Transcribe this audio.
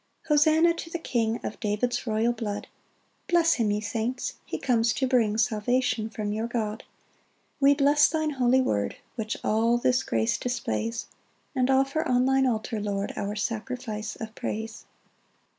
5 Hosanna to the King Of David's royal blood: Bless him, ye saints; he comes to bring Salvation from your God. 6 We bless thine holy word, Which all this grace displays; And offer on thine altar, Lord, Our sacrifice of praise.